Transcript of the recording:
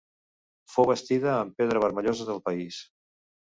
Fou bastida amb pedra vermellosa del país.